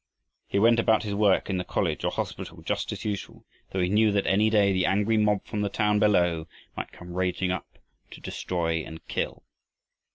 He went about his work in the college or hospital just as usual, though he knew that any day the angry mob from the town below might come raging up to destroy and kill.